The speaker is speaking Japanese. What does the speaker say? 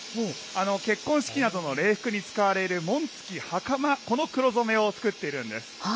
結婚式などの礼服に使われる紋付きはかま、この黒染めを作っているんです。